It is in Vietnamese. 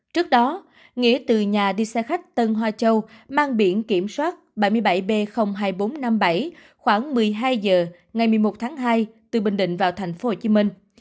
trước đó nghĩa từ nhà đi xe khách tân hoa châu mang biển kiểm soát bảy mươi bảy b hai nghìn bốn trăm năm mươi bảy khoảng một mươi hai h ngày một mươi một tháng hai từ bình định vào thành phố hồ chí minh